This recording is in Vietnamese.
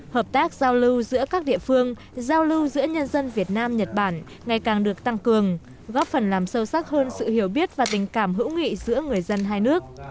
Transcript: hợp tác giao lưu giữa các địa phương giao lưu giữa nhân dân việt nam nhật bản ngày càng được tăng cường góp phần làm sâu sắc hơn sự hiểu biết và tình cảm hữu nghị giữa người dân hai nước